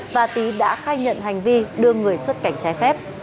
và tý đã khai nhận hành vi đưa người xuất cảnh trái phép